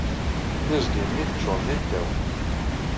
Tiẓgi-nni teccuṛ d iddawen.